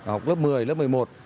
học lớp một mươi lớp một mươi một